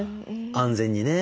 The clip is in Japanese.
安全にね。